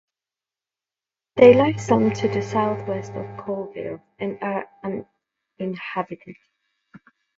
They lie some to the southwest of Colville, and are uninhabited.